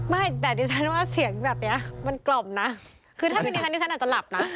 ไม่แต่ดิฉันว่าเสียงแบบนี้มันกล่อมนะคือถ้าเป็นอย่างนั้นดิฉันอาจจะหลับนะ